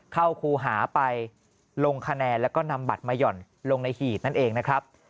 ครูหาไปลงคะแนนแล้วก็นำบัตรมาหย่อนลงในหีบนั่นเองนะครับ